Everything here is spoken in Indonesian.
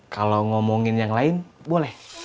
kalau ngomongin yang lain boleh